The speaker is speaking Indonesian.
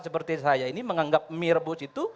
seperti saya ini menganggap mirbus itu